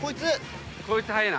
こいつ速えな。